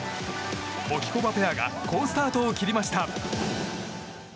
ホキコバペアが好スタートを切りました。